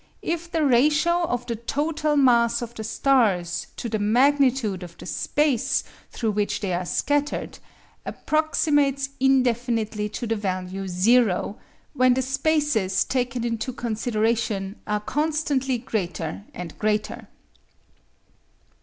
if the ratio of the total mass of the stars to the magnitude of the space through which they are scattered approximates indefinitely to the value zero when the spaces taken into consideration are constantly greater and greater.